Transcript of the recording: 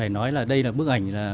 tôi nói là đây là bức ảnh